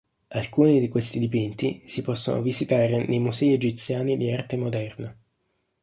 Alcuni di questi dipinti si possono visitare nei musei egiziani di arte moderna.